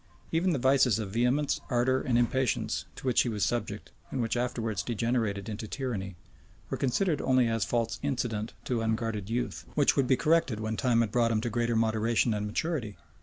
[] Even the vices of vehemence, ardor, and impatience, to which he was subject, and which afterwards degenerated into tyranny, were considered only as faults incident to unguarded youth, which would be corrected when time had brought him to greater moderation and maturity.